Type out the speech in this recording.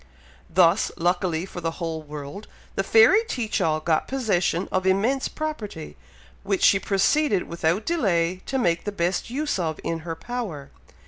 Thus, luckily for the whole world, the fairy Teach all got possession of immense property, which she proceeded without delay to make the best use of in her power.